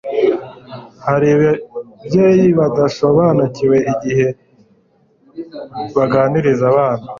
hari babyeyi badasobanukiwe igihe baganiriza abana